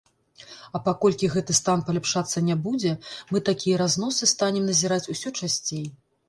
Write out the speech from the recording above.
А паколькі гэты стан паляпшацца не будзе, мы такія разносы станем назіраць усё часцей.